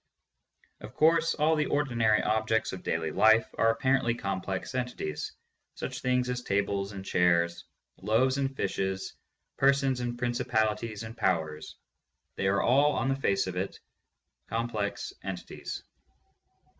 Of course, all the ordinary objects of daily life are ap parently complex entities : such things as tables and chairs, THE PHILOSOPHY OF LOGICAL ATOMISM. 5II loaves and fishes, persons and principalities and powers — they are all on the face of it complex entities.